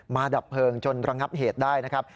ดับเพลิงจนระงับเหตุได้นะครับ